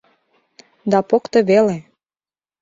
Да покто веле.